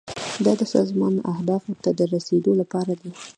دا د سازمان اهدافو ته د رسیدو لپاره دي.